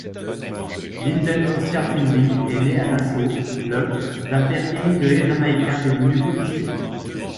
Lynden Oscar Pindling est né à Nassau le d'un père émigré jamaicain devenu policier.